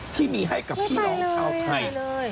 ที่มีให้กับพี่น้องชาวไทย